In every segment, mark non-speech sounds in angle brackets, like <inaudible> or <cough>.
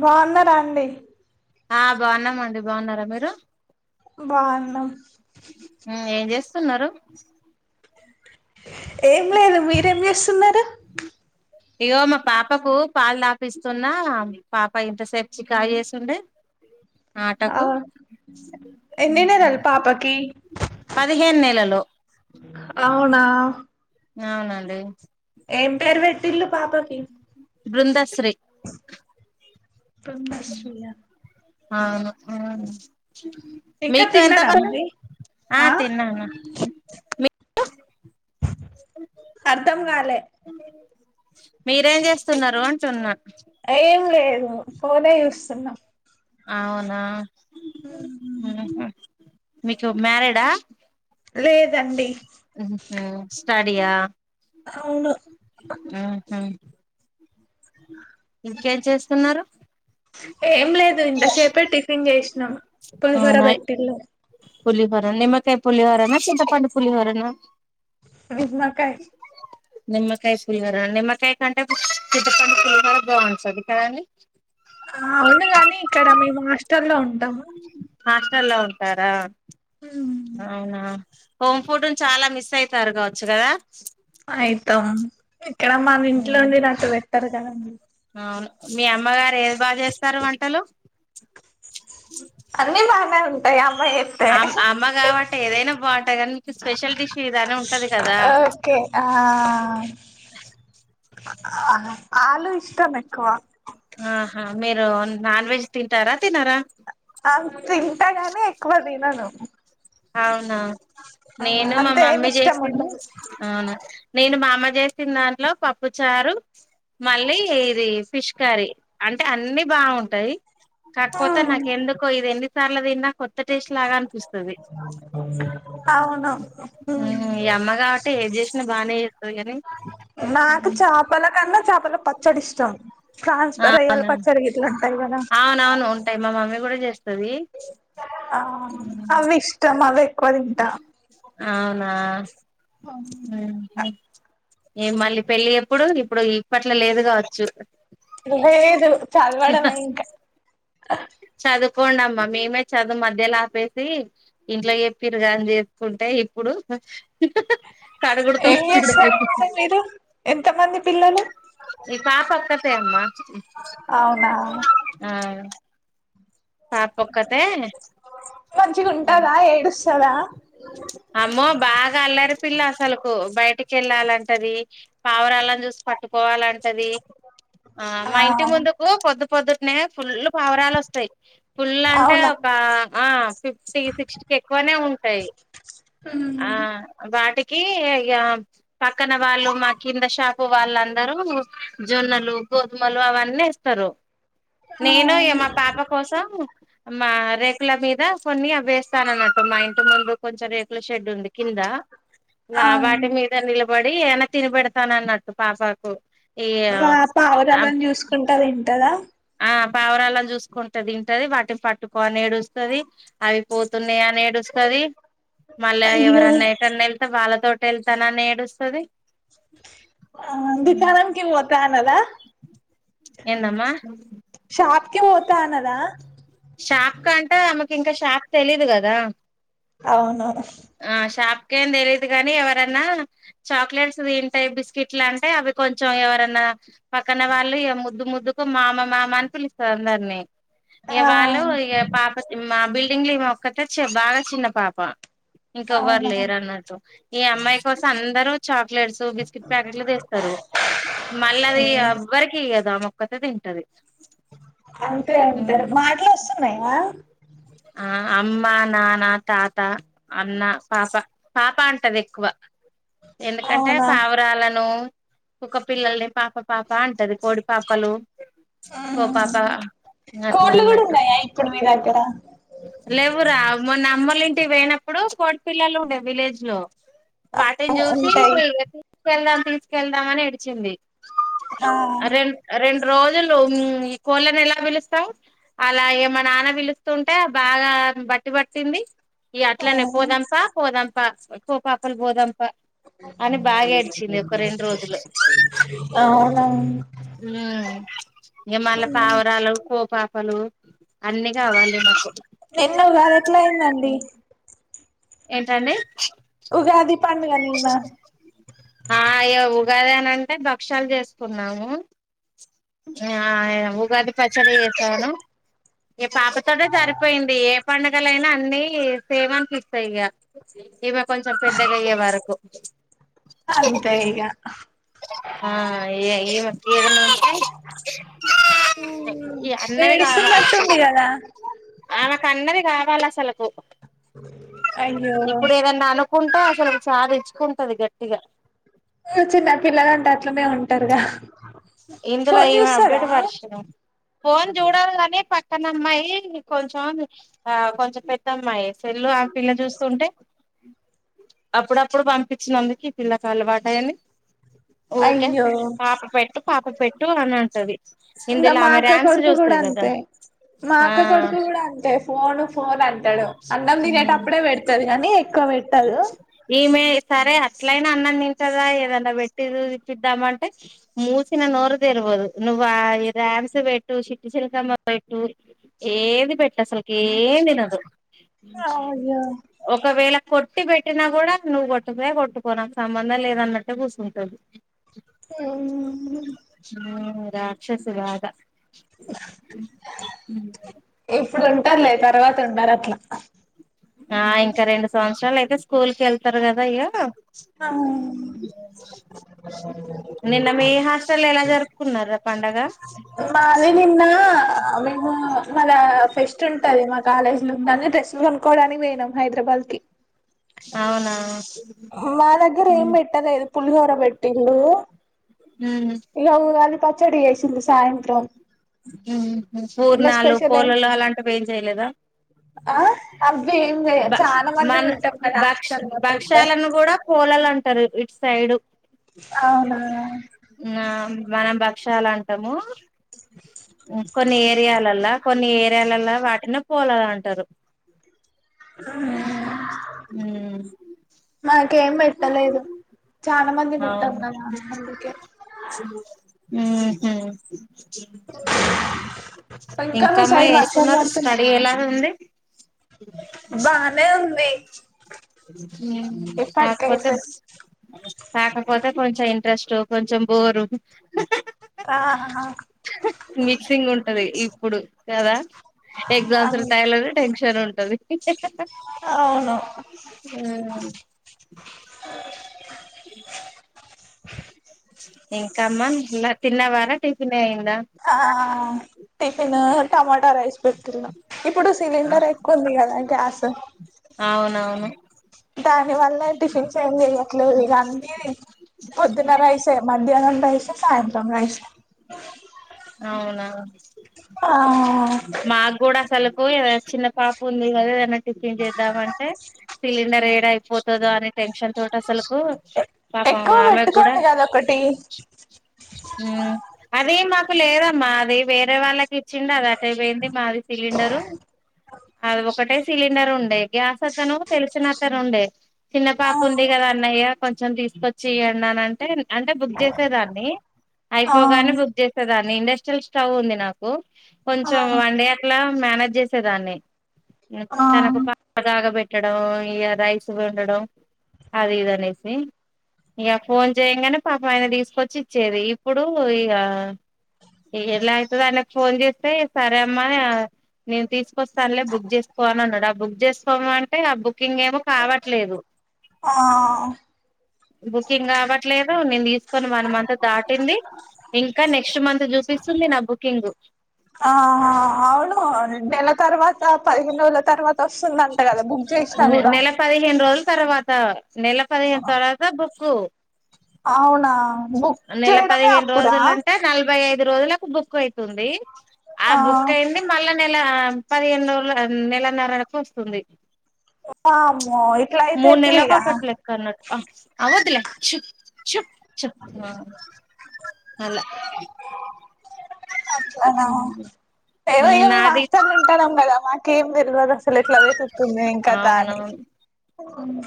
బన్నరాండి ఆ బాగున్నామండి బాన్నారా మీరు బాన్నం ఉమ్ ఏం జేస్తున్నరు ఏం లేదు మీరేం చేస్సున్నరు ఇగో మా పాపకూ పాల్తపిస్తున్నా పాప ఇంతసేపు చీకాకు చేసిండే ఆ ఆటకు ఎన్నినెలలు పాపకి పదిహేన్ నెలలు ఔనా ఔనండి టిల్లు పాపకి బృందశ్రీ దశ్రీ ఆ ఆ అ ఇంకా మీకు ఎంత తిన్నారా ప మరి ఆ తిన్నాను <inaudible> అర్ధం కాలే మీరేం జేస్తున్నారు అంటున్న ఏం లే ఒ ఫోనే చూస్సున్న ఔనా ఉహు మీకు మ్యరిడా లేదండి ఉమ్ స్టడియా అవును ఉహు ఇంకేం చేస్తున్నరు ఏం లేదు ఇంతశేపే టిఫిన్ జేశ్నం పులిహోర అవునా పేట్టిల్లు పులిహోర నిమకాయ్ పులిహోరనా శింత పండు పులిహోరనా నిమ్మకాయ్ నిమ్మకాయ్ పులిహోర నిమ్మకాయ్ కంటే చింతపండు బాగుంటది కదా అండి ఔనుగాని ఇక్కడ మేమ్ హాస్టల్లో ఉం హాస్టల్ల్లో ఉంటారా అవునా హోమ్ ఫుడ్ను చాలా మిస్ అయితారు గావచ్చు కదా ఆయితమ్ ఇక్కడ మన ఉమ్ ఇంట్లోండి నాకు పెట్టరు తేండి అవును మీ అమ్మగారు ఏది బా చేస్తారు వంటలు అన్ని బానే ఉంటాయి అమ్మ చేస్తే అమ్ అమ్మ కాబట్టి ఏదైనా బాగుంటాయి కానీ మీకు స్పెషల్ డిష్ ఇదనే ఉంటది కదా ఓకే ఆ ఆలు ఇష్టమెక్కువ ఆహా మీరు నాన్ వెజ్ తింటారా తినరా అ తింటాగాని ఎక్కువ తి నను అవునా నేను మా అంత ఏమి మమ్మీ ఇష్టం చేసింది ఉండదు అవునా నేను మా అమ్మ చేసిన దాంట్లో పప్పు చారు మళ్ళీ ఇది ఫిష్ కర్రీ అంటే అన్నీ బాగుంటయి. కాకపోతే నాకు ఎందుకో ఇది ఎన్ సార్లు తిన్నా కొత్త టేస్ట్ లాగా అనిపిస్తది అవును హ్మ్ ఉమ్ ఈ అమ్మ కాబట్టి ఏది చేసినా బాగానే చేస్తది కానీ నాకు చేపల కన్నా చ పల పచ్చడి ఇష్టం ట్రాన్స్ఫర్ అయ్యల అవునా పచ్చడి గిట్లా అంతా ఇవ్వనా అవునవును ఉంటాయి మా మమ్మీ కూడా చేస్తది ఆ అవి ఇష్టం అవే అవునా ఊహూ ఏ మళ్ళీ పెళ్ళి ఎప్పుడు ఇప్పుడు ఇప్పట్ల లేదు గావచ్చు ఎహే లేదు చదవడమే ఇంక చదువుకోండమ్మా మేమే చదువు మధ్యలో ఆపేసి ఇంట్లో చెప్పిరుగా అని చేసుకుంటే ఇప్పుడు కడుగుడు ఏం తుడుచుడు చేస్తారు మరి మీరు ఎంత మంది పిల్లలు ఈ పాపక్కతే అమ్మా అవునా ఆ పాప ఒక్కతే మంచిగా ఉంటదా ఏడుస్తదా అమ్మో బాగా అల్లరి పిల్ల అసలుకు బయటికి కెళ్ళాలంటది పావురాలను చూసి పట్టుకోవాలంటది ఆ మా ఇంటి ముందుకు పొద్దు పొద్దుటనే ఫుల్లు పావురాలు వస్తాయి ఫుల్ అంటే అవునా ఒక ఆ ఫిఫ్టీ సిక్స్టీకి ఎక్కువనే ఉంటాయి ఆ ఉమ్, అం వాటికి ఇగ పక్కన వాళ్ళు, మా కింద షాపు వాళ్ళందరూ జొన్నలు, గోధుమలు అవన్నీ ఏస్తారు. ఆ నేనుఇగ మా పాపక్ మా రేకుల మీద కొన్ని అవేస్తానన్నట్టు, మా ఇంటి ముందు కొంచెం రేక్ ల షెడ్ ఉంది కింద, ఆ వాటి మీద నిలబడ్ పడి ఏవన్న తినిబెడతానన్నట్టు పాపకు. ఈ గ ఆ పావురాలని చూసుకుంట దింటదా? ఆ పావురాలని చూసుకుంటదింటది, వాటిని పట్టుకో అని ఏడుస్తది, అవి పోతున్నాయి అని ఏడుస్తది. మళ్ళా అయ్యో ఎవరన్నా, ఎటన్నా ఎళ్తే వాళ్ళత్ తోటెళ్తననీ ఏడుస్తది. ఆ దుకాణంకి పోతా అనద? ఎందమ్మ? షాప్ కి పోతా అనదా? షాప్ కంటే ఆమెకి ఇంక, షాప్ తెలీదు కదా? అవును. ఆ షాప్కేమ్ తెలీదు గనీ, ఎవరన్నా చాక్లెట్స్ తింటె, బిస్కిట్లు అంటే అవి కొంచెం ఎవరన్నా పక్కన వాళ్ళు ఇగ ముద్దు ముద్దుకు మామ మామ అని పిలుస్తది అందరిని. ఇగ ఆ వాళ్ళు ఇగ పాపకి మా బిల్ డింగ్ల ఈమె ఒక్కతే చ, బాగా చిన్న పాప. ఇంకోవ్వరు అవునా లేరన్నట్టు, ఇగ అమ్మాయి కోసం అందరూ చాక్ లెట్స్, బిస్కిట్ ప్యాకెట్లు తెస్తరు, మళ్ళ అవి ఉమ్, ఎవ్వరికీయదు. ఆమోక్ క్కతే తింటది. అంతే అంతే, మాటలొస్తున్నయా? ఆ, అమ్మాన్ నాన, తాత, అన్న, పాప. పాప అంటది ఎక్కువ. ఎందుకంటే అవునా పావురాలను. ఒక పిల్లల్ని పాప పాప అంటది, కోడి పాపలు ఆ కో హ హ పాప హా. అట్లా కోడ్లు గూడున్నయా ఇప్పుడు మీ దగ్గర? లెవ్వురా, మొన్నమ్ మొల్లింటికి పోయినప్పుడు కోడిపిల్లలు ఉండే, విలేజ్ లో. వాటిన్జూసి. ఉంటాయి తీసుకెళ్దాం, తీసుకెళ్దామని ఎడిచింది. ఆ రెం రెం రోజులు ఉమ్ ఈ కోళ్ళని ఎలా పిలుస్తాం? అలాగే మా నాన్న పిలుస్తుం టె బాగా బట్టి పట్టింది. ఈ అట్లనే పోదాంపా పోదాం పా పో పాపల్ పోదమ్ అని బాగా ఏడిచింది ఒక రెండు రోజులు అవునా, మ్మ్ ఇంక మళ్ళా పావురాలు కోప ప్పలు అన్ని కావ్వాలి మా ఎన్నో కాదు ఎట్లా అయిందండి ఏంటండి ఉగాది పండుగ నిన్న ఆ ఇగ గదేనంటే భక్ష్యాాలు చేసుకున్నాము మ్మ్ ఆ ఉగాది పచడి చేస్తాను ఈ పాపతోట సరిపోయింది ఏ పండుగ పలైనా అన్ని సేమ్ అనిపిస్తాయి ఇగ ఇమ్మే కొంచెం పెద్దగా అయ్యే వరకు అంతే ఇగ మ ఏదన్నా ఇగ అన్నది ఏేడుస్తున్నట్టుంది కదా నా అన్నది కావాలి అసలకు అయ్యో ఇప్పుడు ఏదైన్నా అను కుంటా అసలు ఆడించుకుంటది గట్టిగా చిన్న పల్లగాంట అట్లనే ఉంటారుగా ఇందులో ఫోన్ ఇమ చూస్తారా అప్డేట్ వర్షన్ ఫోన్ చూడాలి కాని పక్కన అమ్మాయి కొంచెం ఆ కొంచెం పెద్ద అమ్మాయి సల్లు ఆ పిల్ల చూస్తుంటే అప్పుడప్పుడు పంపించినందుకు ఈ పిల్లలకు అలవాటుయని ఊకే అయ్యో పాప పెట్టు పెట్టు అని అంటది ఇంకా ఇందులో మా ఆమె అక్క ర్యామ్స్ కొడుకు కూడా చూస్తది కదా అంతే మా ఆ అక్క కొడుకు కూడా అంతే ఫోను ఫోన్ అంటాడు అన్నం తినేటప్పుడే పెడతది కానీ ఎక్కువ పెట్టదు ఈమె సరే అట్లయినా అన్నం తింటదా ఏది అనా పెట్టి చిద్దాంంటే మూ ిన నోర్దే ఇర్బోదు నువ్్వ ఇ ర్యామ్స్ బెట్టు చిట్ శల్కమ్ బట్టు ఏది పెట్ స్లకి ఏ తినదు అయ్యో ఒకవేళ కొట్టి పెట్టినా కూడా నువ్వు కొట్టుకుయా కొట్టుకోననికి సంబంధం లేదన్నట్టు కూర్సుటాది మ్మ్ మ్మ్ రాక్షసుగాగా ఏ ఇప్పుడు ఉంటారులే తర్వాత ఉండారు అట్లా ఆ ఇంకా రెండు సంవత్సరాలు అయితే స్కూల్కి ఎళ్తార్ గదా ఇగ నిన్న మీ హాస్టల్లో ఎలా జరుపుకున్నారా పండగ మాది నిన్నా మేమూ మనా ఫెస్ట్ ఉంటది మా కాలేజ్ డెస్ లు కొనుకోడానికి వోయినం హైదరాబాద్కి అవునా మా దగ్గర ఏం ఉమ్ పెట్టలేదు పులిహోర పెట్టిళ్ళు ఇగ ఉగాది పచ్ చెడి చేసింది సాయంత్రం ఇంకా పూర్ణాలు స్పెషల్ ఏం పూలలు అలాంటివి ఏం చేయలేదా ఆ అవి ఏం బ చాలా మంది మన్ ఉంటాం కదా భక్ష్ హాస్టల్ లో పెట్టరు భక్షాలను కూడా పోలలంట్ రు ఇట్ సైడ్ అవునా ఆ మనం భక్షాల్ అంటామూ కొన్ని ఏరియాలల్లా కొన్ని ఏరియాల్ల వాటిని పోలల్ అంటరు మనకేం పెట్టలేదు చాన మంది అవును ఉంటంగాదందుకే మ్ హ్ ఇంకా మీ ఇంకామ్మ సైడ్ వర్షాలు వస్తున్నారు స్టడీ పడుతున్నాయా ఎలా ఉంది బానే ఉంది కాక్పోతే ఇప్పటికైతే పోతే కొంచెం ఇంట్రెస్టు కొంచెం బోరు ఆ మిక్సింగ్ ఉంటది ఈ ఇప్పుడు కదా ఎగ్జామ్స్ అవును టైలరు టెన్షన్ ఉంటది అవును అ <inaudible> ఇం కమ్మ ఇ తిన్నవారా టిఫినే ఆ టిఫినూ టమాట్ రైస్ పెట్న్నాం ఇప్పుడు సిలిండర్ ఎక్కువుంది గదా గ్యాస్ అవునవును దాని వల్లే టిఫిన్స్ ఏం చేయట్లేదు ఇగ అన్నీ పొద్దున్న రైస్ ఎ మద్య సె సాయంత్రం రైసె అవునా ఆ అసలకు ఏద చిన్న పాప ఉంది కదా ఏదనా టిఫిన్ చేద్దామంటే సిలిండర్ ఏడ అయిపోతుందో అని టెన్షన్ తోటి అసలుకు పాపం ఆమె గోండి కద ఒకటి ఉమ్ అదే మా లేదమ్మ అది వేరే వాళ్ళకి ఇచ్చిండ అది అటే పోయింది మాది సిలిండరు అది ఒకటే సిలిండర్ ఉండే గ్యాస్ అతను తెలిసినతను ఉండే చిన్న ఆ పాప ఉంది కదా అన్నయ్య కొంచెం తీసుకొచ్చి ఈయండి అని అంటే అంటే బుక్ చేసేదాన్ని ఆ అయిపోగానే బుక్ చేయి ఇక దాన్ని ఇండస్ట్రియల్ స్టవ్ ఉంది నాకు ఆ కొంచెం వన్ డే అట్లా మేనేజ్ చేసేదాన్ని ఆ తనకు పాలు కాగ పెట్టడం ఇక రైస్ వండడం అది ఇదనేసి ఇక ఫోన్ చేయంగానే పాపం ఆయన తీసుకొచ్చి ఇచ్చేది ఇప్పుడు ఇక ఎలా అవుతుందాన ఫోన్ చేస్తే సరే అమ్మ నేను తీసుకొస్తానులే బుక్ చేసుకో అని అన్నాడు ఆ బుక్ చేసుకోమంటే ఆ బుకింగ్ ఏమో కావట్లేదు ఆ బుకింగ్ కావట్లేదు నేను తీసుకొని వన్ మంత్ దాటింది ఇంకా నెక్ నెక్స్ట్ మంత్ చూపిస్తుంది నా బుకింగు ఆ అవును నెల తర్వాత పదిహేను రోజుల తర్వాత వస్తుందంట కదా బుక్ చేసినా కూడా నెల పదిహేను రోజుల తర్వాత నెల పదిహేను తర్వాత బుకు ఆవును నెల పదిహేను రోజులు అంటే నలభై ఐ దు రోజులకు బుక్ అవుతుంది ఆ బుక్ అయింది మళ్ళా నెలా పదిహేను రోజుల నెలన్నర వరకు వస్తుంది వామ్మే ఇట్లాయితే మూడు నెలలకు ఎట్లాయిగా ఒకటి లెక్క అన్నట్టు ఆ అవద్దులే చుప్ చుప్ చుప్ అలా అట్లానా ఏమో ఇక మేము నాది హాస్టలా ఉంటాన్నాం కదా మాకే బిరుగా దాస్ అసలు ఎట్లా వెతుకుతుంది ఇంకా దాని అవునవును అవును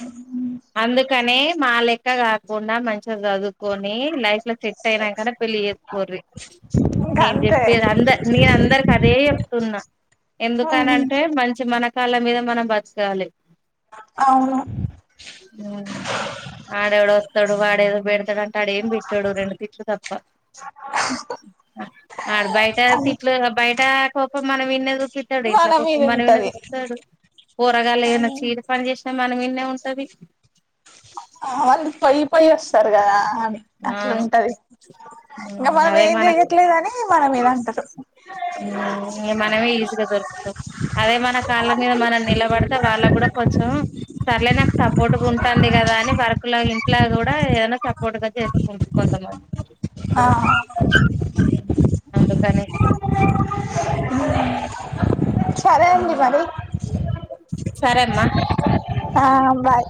అందుకనే మా లెక్క కాకుండా మంచిగా చదువుకోని మెయిన్ లైఫ్ లో సెట్ అయినాంకనే పెళ్లి చేస్తుకోరివి ఇంకా నేను అంతే చెప్పేది అందరి మీ అందరికి అదే చెప్తున్నా ఉమ్ ఎందుకనంటే మంచి మన కాళ్ళ మీద మనం బత్కాలే అవును ఉమ్ ఆడుఎవడో వస్తాడు వాడే బేడతాడు ఆడు ఏం పెట్టాడు రెండు తిట్లు తప్ప ఆడు బయట తిట్లే బయటా కోపం మనం విన్నది తిట్టాడు ఇంట్లో మన మీద కొత్తం మనే ఉంటది కూస్తాడు కూరగాయలు ఏనా చీర పని చేస్త మన మీదనే ఉంట టది ఆ అళు పై పై వస్తారుగా ఆ అవును ఇంకా మనం అదే ఏం మనకు చెయట్లేదని మన మీద అంటారు మనమే ఈజీగా దొరుకుతాం సర్ లే నాకు స కోటుకు ఉంటాంది కదా అని వర్ ర్క్ లాగ ఇంట్లా గూడా ఏదైనా సపోర్ట్ గా చేసుకుంటు కొంతమంది ఆ అందుకని సరే అండి మరి సరేమ్మా ఆ బాయ్